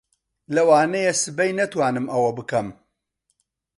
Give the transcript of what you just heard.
لەوانەیە سبەی نەتوانم ئەوە بکەم.